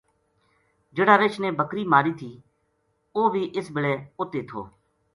جہیڑا رچھ نے بکری ماری تھی اوہ بھی اس بِلے اُت ہی تھو